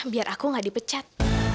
biar aku gak dipecat